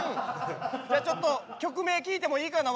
じゃあちょっと曲名聞いてもいいかな？